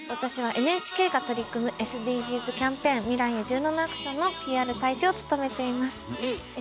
私はＮＨＫが取り組むＳＤＧｓキャンペーン「未来へ１７ａｃｔｉｏｎ」のＰＲ大使を務めています。